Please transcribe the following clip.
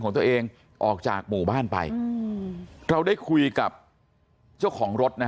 ของตัวเองออกจากหมู่บ้านไปเราได้คุยกับเจ้าของรถนะ